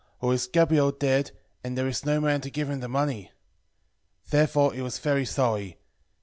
or is Gabael dead, and there is no man to give him the money? 10:3 Therefore he was very sorry.